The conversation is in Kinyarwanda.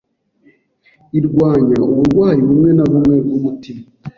irwanya uburwayi bumwe na bumwe bw’umutima,